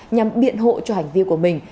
nhằm biện hộ cho hành vi của mình